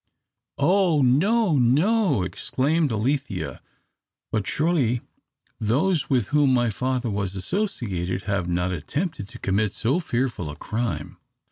"Oh, no, no!" exclaimed Alethea. "But surely those with whom my father was associated have not attempted to commit so fearful a crime?"